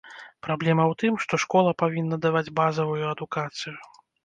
Праблема ў тым, што школа павінна даваць базавую адукацыю.